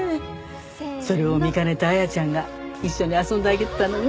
それを見かねた綾ちゃんが一緒に遊んであげてたのよ。